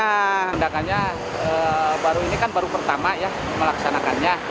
tindakannya ini kan baru pertama ya melaksanakannya